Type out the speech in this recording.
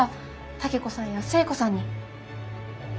武子さんや末子さんに。